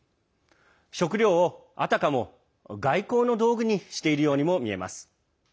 食料をあたかも外交の道具にしているようにもみえます。